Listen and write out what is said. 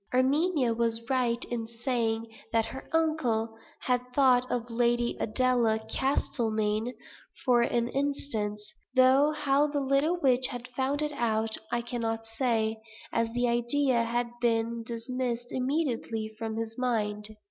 Erminia was right in saying that her uncle had thought of Lady Adela Castlemayne for an instant; though how the little witch had found it out I cannot say, as the idea had been dismissed immediately from his mind.